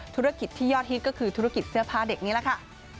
ธุรกิจที่ยอดฮิตก็คือธุรกิจเสื้อผ้าเด็กนี้แหละค่ะ